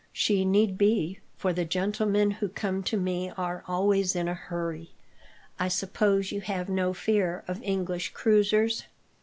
She needs be, for the gentlemen who come to me are always in a hurry." "I suppose you have no fear of English cruisers?"